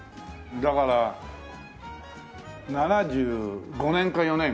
だから７５年か４年？